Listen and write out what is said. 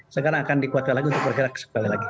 sekarang akan dikuatkan lagi untuk bergerak sekali lagi